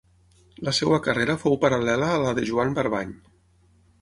La seva carrera fou paral·lela a la de Joan Barbany.